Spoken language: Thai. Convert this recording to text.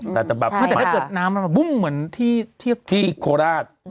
แต่ถ้าเกิดน้ำมันมาวุ้มเหมือนที่โคลาศ